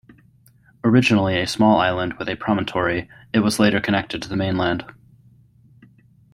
Originally a small island with a promontory, it was later connected to the mainland.